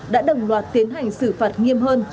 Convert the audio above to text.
đã đồng loạt tiến hành xử phạt nghiêm hơn